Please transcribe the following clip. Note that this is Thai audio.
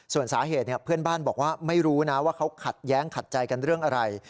ส่วนสาเหตุเพื่อนบ้านบอกว่าไม่รู้นะว่าเขาขัดแย้งขัดใจกันเรื่องอะไร